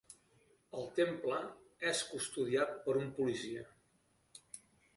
El temple és custodiat per un policia.